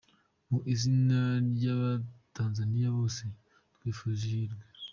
Mu izina ry’abanyatanzaniya bose, nkwifurije ihirwe.